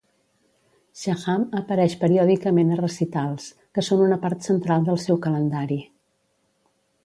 Shaham apareix periòdicament a recitals, que són una part central del seu calendari.